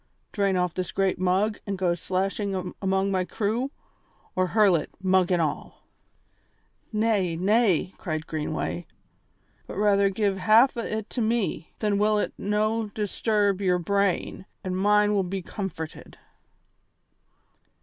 Drain off this great mug and go slashing among my crew, or hurl it, mug and all " "Nay, nay," cried Greenway, "but rather give half o' it to me; then will it no' disturb your brain, an' mine will be comforted."